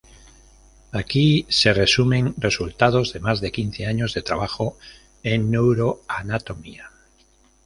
Aquí se resumen resultados de más de quince años de trabajo en neuroanatomía.